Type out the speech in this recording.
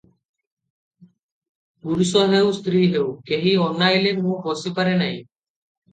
ପୁରୁଷ ହେଉ ସ୍ତ୍ରୀ ହେଉ, କେହି ଅନାଇଲେ ମୁଁ ବସିପାରେ ନାହିଁ ।"